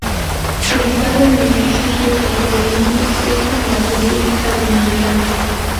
Ubicado en el municipio Santo Domingo Este en la República Dominicana.